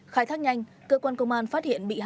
khai thác nhanh cơ quan công an phát hiện bị hại